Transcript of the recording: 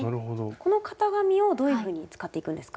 この型紙をどういうふうに使っていくんですか？